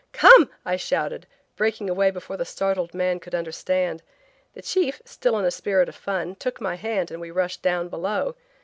"Come," I shouted, breaking away before the startled man could understand. The chief, still in a spirit of fun, took my hand and we rushed down below.